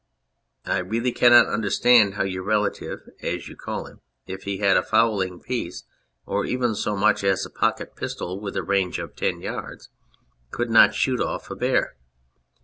I really cannot understand how your relative (as you call him), if he had a fowling piece or even so much as a pocket pistol with a range of ten yards, could not shoot off a bear.